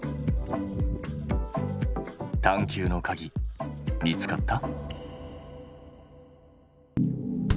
探究のかぎ見つかった？